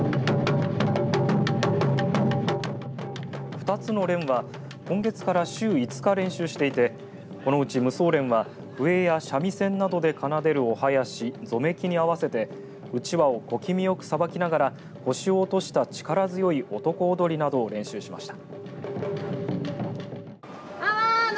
２つの連は今月から週５日練習していてこのうち無双連は笛や三味線などで奏でるお囃子ぞめきに合わせてうちわを小気味よくさばきながら腰を落とした力強い男踊りなどを練習しました。